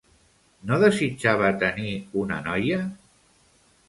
No desitjava tenir una noia?